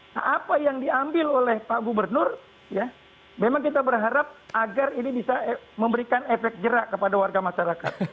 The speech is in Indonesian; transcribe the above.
nah apa yang diambil oleh pak gubernur ya memang kita berharap agar ini bisa memberikan efek jerak kepada warga masyarakat